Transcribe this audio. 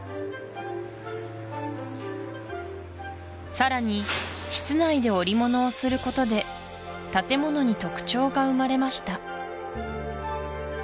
さらに室内で織物をすることで建物に特徴が生まれました